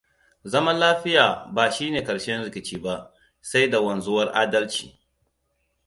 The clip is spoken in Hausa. Zaman lafiya ba shine ƙarshen rikici ba, sai da wanzuwar adalci.